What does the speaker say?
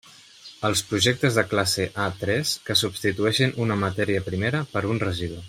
Els projectes de classe A tres que substitueixin una matèria primera per un residu.